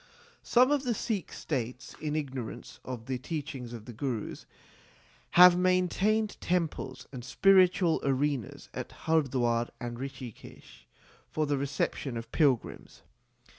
Some of the Sikh States, in ignorance of the teachings of the Gurus, have maintained temples and spiritual arenas at Hardwar and Rikhikesh for the reception of pilgrims.